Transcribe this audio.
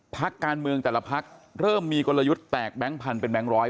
พักการเมืองแต่ละพักเริ่มมีกลยุทธ์แตกแบงค์พันธุเป็นแบงค์ร้อย